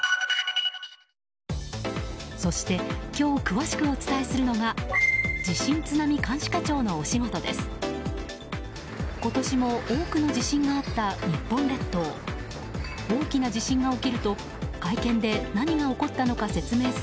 そして、今日詳しくお伝えするのが地震津波監視課長のお仕事です。